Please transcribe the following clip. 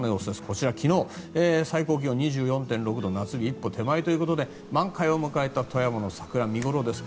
こちら昨日、最高気温２４．６度夏日一歩手前ということで満開を迎えた富山の桜見頃です。